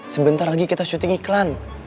sebentar lagi kita syuting iklan